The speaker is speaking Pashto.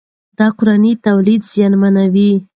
دا د کورني تولید زیانمنوي.